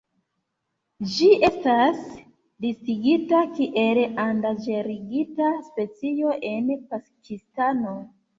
Ĝi estas listigita kiel endanĝerigita specio en Pakistano.